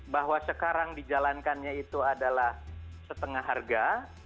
bahwa sekarang dijalankannya itu adalah setengah harga